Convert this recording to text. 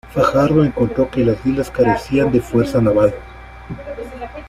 Fajardo encontró que las islas carecían de fuerza naval.